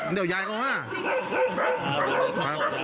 เดี๋ยวยายเขาว่า